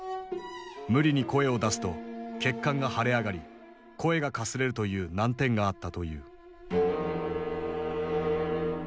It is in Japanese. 無理に声を出すと血管が腫れ上がり声がかすれるという難点があったという。